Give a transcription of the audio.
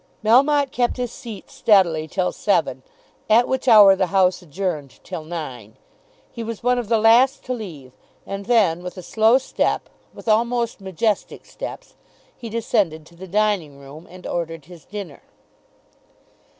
Melmotte kept his seat steadily till seven, at which hour the House adjourned till nine. He was one of the last to leave, and then with a slow step, with almost majestic steps, he descended to the dining room and ordered his dinner.